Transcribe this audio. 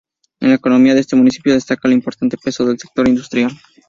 En la economía de este municipio destaca el importante peso del sector industrial.